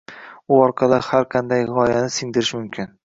U orqali har qanday g‘oyani singdirish mumkin”